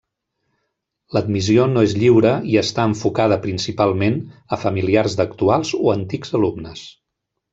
L'admissió no és lliure, i està enfocada principalment a familiars d'actuals o antics alumnes.